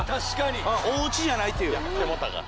大オチじゃないという。